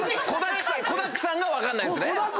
子だくさんが分かんないんですね。